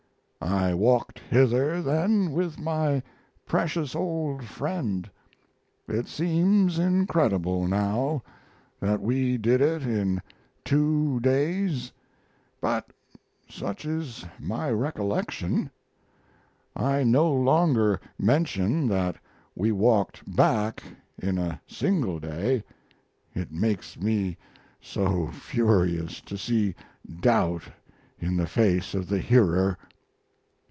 I walked hither then with my precious old friend. It seems incredible now that we did it in two days, but such is my recollection. I no longer mention that we walked back in a single day, it makes me so furious to see doubt in the face of the hearer.